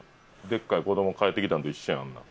でっかい子ども帰ってきたのと一緒やんか。